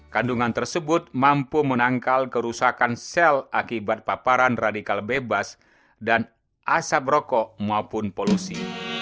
kandungan tersebut mampu menangkal kerusakan sel akibat paparan radikal bebas dan asap rokok maupun polusi